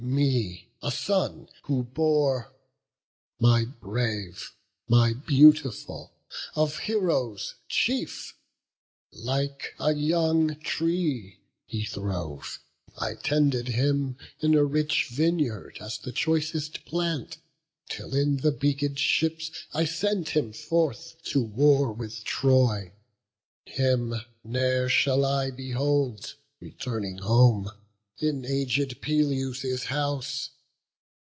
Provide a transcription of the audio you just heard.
me, a son who bore, My brave, my beautiful, of heroes chief! Like a young tree he throve: I tended him, In a rich vineyard as the choicest plant; Till in the beaked ships I sent him forth To war with Troy; him ne'er shall I behold, Returning home, in aged Peleus' house.